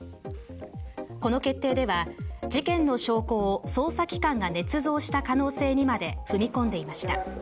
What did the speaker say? この決定では、事件の証拠を捜査機関がねつ造した可能性にまで踏み込んでいました。